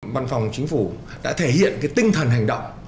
văn phòng chính phủ đã thể hiện tinh thần hành động